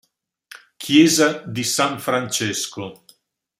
Chiesa di San Francesco